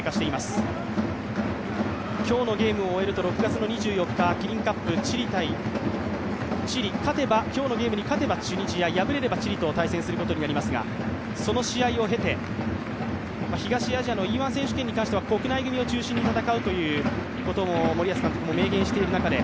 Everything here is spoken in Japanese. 今日のゲームを終えると６月１４日、チュニジア、今日の試合に勝てばチュニジア敗れればチリと対戦することになりますがその試合を経て、東アジアのＥ−１選手権に関しては国内組を中心に戦うと森保監督も明言している中で